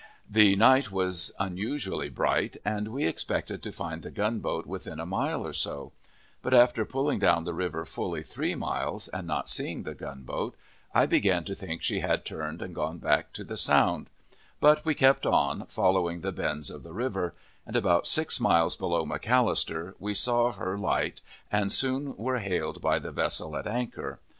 The night was unusually bright, and we expected to find the gunboat within a mile or so; but, after pulling down the river fully three miles, and not seeing the gunboat, I began to think she had turned and gone back to the sound; but we kept on, following the bends of the river, and about six miles below McAllister we saw her light, and soon were hailed by the vessel at anchor.